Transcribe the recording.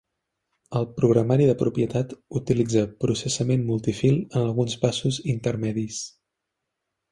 El programari de propietat utilitza processament multifil en alguns passos intermedis.